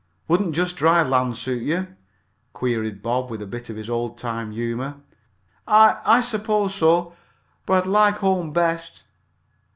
"Wouldn't just dry land suit you?" queried Bob, with a bit of his old time humor. "I I suppose so, but I'd like home best."